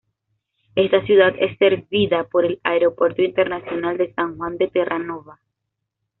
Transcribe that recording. Esta ciudad es servida por el Aeropuerto Internacional de San Juan de Terranova.